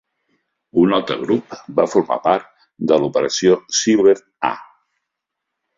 Un altre grup va formar part de l'operació Silver A.